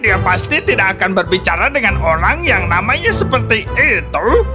dia pasti tidak akan berbicara dengan orang yang namanya seperti itu